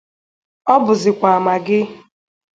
Ọ bụzịkwa Maggị